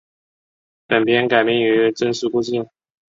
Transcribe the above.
本片改编自真实故事。